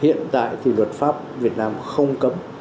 hiện tại thì luật pháp việt nam không cấm